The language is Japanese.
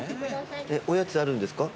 おやつあるんですか？